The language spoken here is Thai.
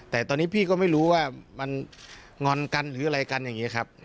แต่ตอนนี้พี่ก็ไม่รู้ว่ามันงอนกันหรืออะไรกันอย่างนี้ครับ